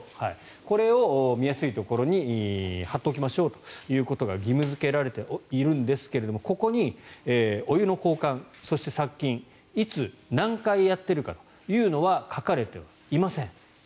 これを見やすいところに貼っておきましょうということが義務付けられているんですがここにお湯の交換そして、殺菌いつ何回やっているかというのは書かれていません。